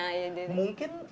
mungkin satu visi